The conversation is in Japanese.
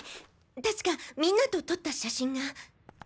確かみんなと撮った写真が。